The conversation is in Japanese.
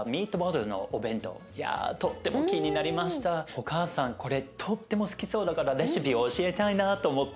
お母さんこれとっても好きそうだからレシピを教えたいなと思って。